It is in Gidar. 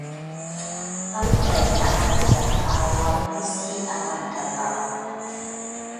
Pay dakiy aname da awure kisi arneba.